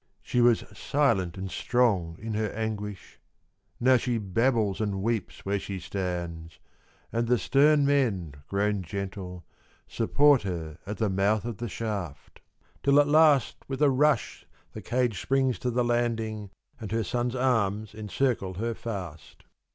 She was silent and strong in her anguish; now she babbles and weeps where she stands, And the stern men, grown gentle, support her at the mouth of the shaft, till at last With a rush the cage springs to the landing, and her son's arms encircle her fast.